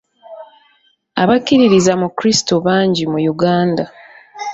Abakkiririza mu Krisitu bangi mu Uganda.